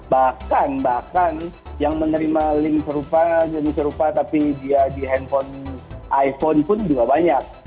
bahkan bahkan yang menerima link serupa jenis serupa tapi dia di handphone iphone pun juga banyak